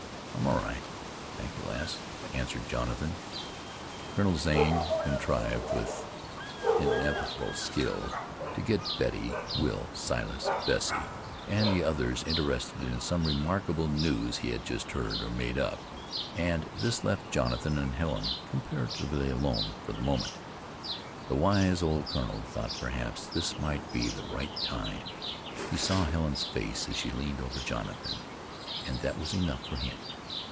"I'm all right, thank you, lass," answered Jonathan. Colonel Zane contrived, with inimitable skill, to get Betty, Will, Silas, Bessie and the others interested in some remarkable news he had just heard, or made up, and this left Jonathan and Helen comparatively alone for the moment. The wise old colonel thought perhaps this might be the right time. He saw Helen's face as she leaned over Jonathan, and that was enough for him.